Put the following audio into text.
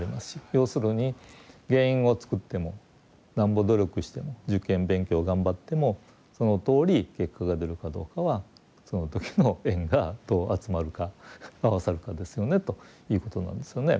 要するに原因を作ってもなんぼ努力しても受験勉強を頑張ってもそのとおり結果が出るかどうかはその時の縁がどう集まるか合わさるかですよねということなんですよね。